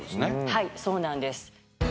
はいそうなんです